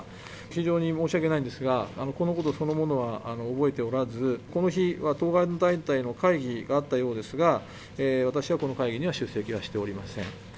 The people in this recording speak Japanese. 非常に申し訳ないんですが、このことそのものは覚えておらず、この日は当該団体の会議があったようですが、私はこの会議には出席はしておりません。